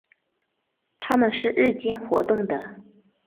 它们是日间活动的。